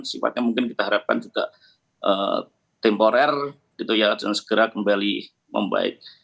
sifatnya mungkin kita harapkan juga temporer dan segera kembali membaik